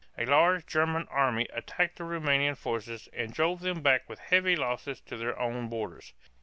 A large German army attacked the Roumanian forces and drove them back with heavy losses to their own borders.